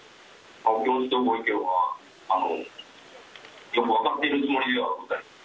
お気持ちとご意見はよく分かっているつもりではございます。